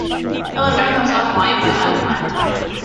He'll have drunk himself blind by that time.